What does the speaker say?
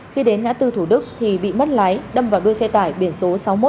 khi đến ngã tư thủ đức thì bị mất lái đâm vào đuôi xe tải biển số sáu mươi một